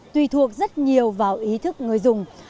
tùy thuộc rất nhiều vào ý thức người dùng